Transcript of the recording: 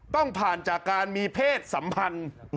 ต้องผ่านจากการมีเพศสัมพันธ์